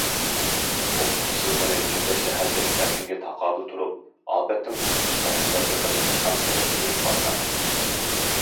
ئوقۇتقۇچىسى ئۇنى چۆچەك شەھەرلىك كەلكۈنگە تاقابىل تۇرۇپ، ئاپەتتىن قۇتقۇزۇشقا رەھبەرلىك قىلىش ئىشخانىسىغا ئېلىپ بارغان.